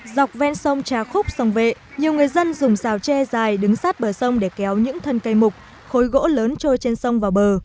dọc ven sông trà khúc sông vệ nhiều người dân dùng xào tre dài đứng sát bờ sông để kéo những thân cây mục khối gỗ lớn trôi trên sông vào bờ